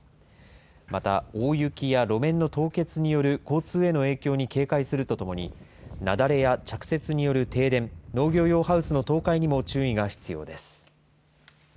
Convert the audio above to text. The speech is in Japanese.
また、大雪や路面の凍結による交通への影響に警戒するとともに、雪崩や着雪による停電、農業用ハウスの倒壊にも注意が必要です。